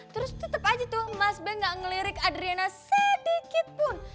terus tetep aja tuh mas ben gak ngelirik adriana sedikit pun